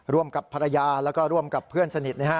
ร่วมกับภรรยาแล้วก็ร่วมกับเพื่อนสนิท